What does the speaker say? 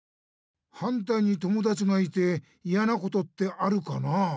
反対に友だちがいていやなことってあるかなあ？